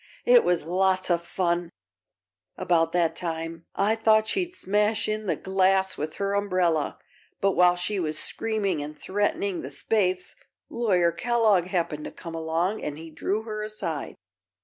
It was lots of fun, about that time. I thought she'd smash in the glass with her umbrella; but while she was screaming an' threatening the Spaythes, Lawyer Kellogg happened to come along and he drew her aside.